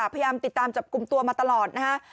พยายามติดตามจับกลุ่มตัวมาตลอดนะฮะ